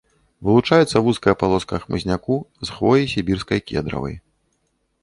Вылучаецца вузкая палоска хмызняку з хвоі сібірскай кедравай.